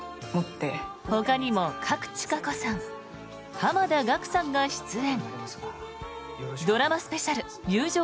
ほかにも賀来千香子さん濱田岳さんが出演。